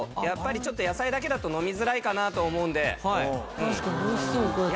やっぱりちょっと野菜だけだと飲みづらいかなと思うんで。